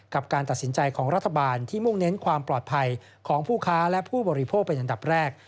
การตัดสินใจของรัฐบาลที่มุ่งเน้นความปลอดภัยของผู้ค้าและผู้บริโภคเป็นอันดับแรก